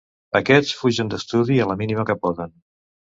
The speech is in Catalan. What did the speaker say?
Aquests fugen d'estudi a la mínima que poden.